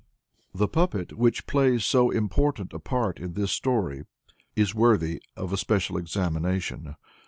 "] The puppet which plays so important a part in this story is worthy of a special examination.